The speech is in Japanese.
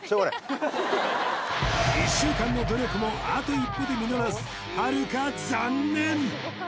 １週間の努力もあと一歩で実らずはるか残念！